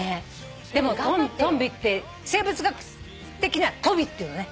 でもトンビって生物学的にはトビっていうのね。